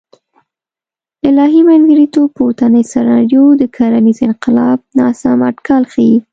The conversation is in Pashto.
الهي منځګړیتوب پورتنۍ سناریو د کرنیز انقلاب ناسم اټکل ښیي.